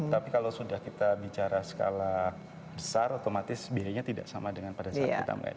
tapi kalau sudah kita bicara skala besar otomatis biayanya tidak sama dengan pada saat kita melihat